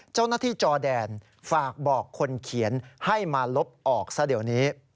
เจ้าหน้าที่จอแดนฝากบอกคนเขียนให้มาลบออกซะเดี๋ยวนี้